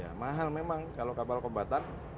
ya mahal memang kalau kapal kombatan